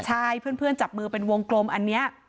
ใช่เพื่อนจับมือเป็นวงกลมอันนี้